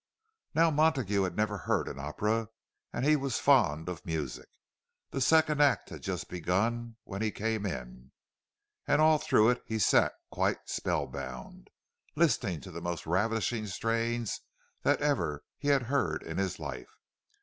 Now Montague had never heard an opera, and he was fond of music. The second act had just begun when he came in, and all through it he sat quite spellbound, listening to the most ravishing strains that ever he had heard in his life.